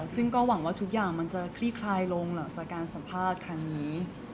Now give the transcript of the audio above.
ซึ่งก็หวังว่าทุกอย่างมันจะคลี่คลายลงหลังจากการสัมภาษณ์ครั้งนี้